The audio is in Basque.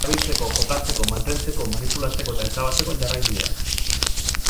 Erabiltzeko, kokatzeko, mantentzeko, manipulatzeko eta ezabatzeko jarraibideak.